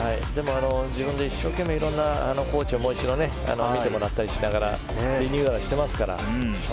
自分で一生懸命いろんなコーチに見てもらったりしながらリニューアルしてますから。